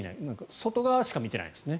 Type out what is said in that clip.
外側しか見ていないんですね。